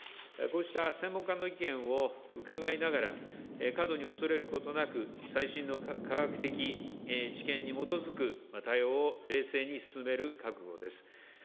こうした専門家の意見を伺いながら、過度に恐れることなく、最新の科学的知見に基づく対応を冷静に進める覚悟です。